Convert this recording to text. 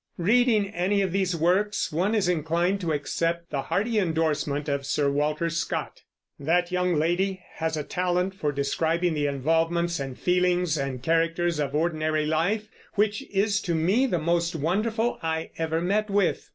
Reading any of these works, one is inclined to accept the hearty indorsement of Sir Walter Scott: "That young lady has a talent for describing the involvements and feelings and characters of ordinary life which is to me the most wonderful I ever met with.